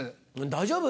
大丈夫？